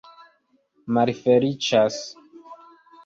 malfeliĉas